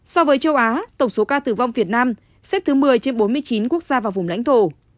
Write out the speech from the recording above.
so với châu á tổng số ca tử vong việt nam xếp thứ một mươi trên bốn mươi chín quốc gia và vùng lãnh thổ